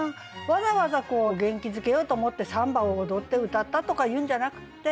わざわざ元気づけようと思ってサンバを踊って歌ったとかいうんじゃなくて。